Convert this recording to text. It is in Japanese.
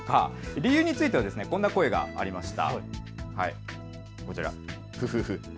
理由についてはこんな声がありました。